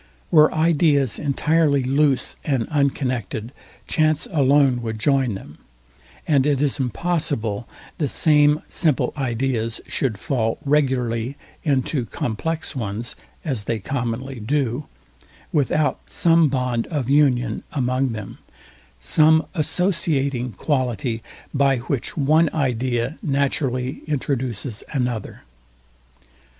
Were ideas entirely loose and unconnected, chance alone would join them; and it is impossible the same simple ideas should fall regularly into complex ones (as they Commonly do) without some bond of union among them, some associating quality, by which one idea naturally introduces another.